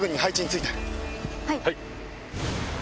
はい！